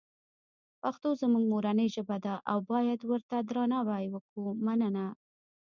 پښتوزموږمورنی ژبه ده اوبایدورته درناوی وکومننه